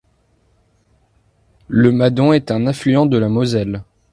Le Madon est un affluent de la Moselle.